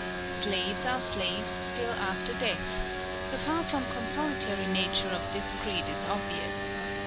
Slaves are slaves still after death; the far from consolatory nature of this creed is obvious.